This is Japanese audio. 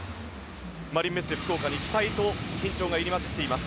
マリンメッセ福岡に緊張と期待が入り交じっています。